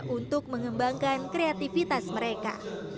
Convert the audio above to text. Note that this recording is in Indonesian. untuk mengembangkan kreativitas mereka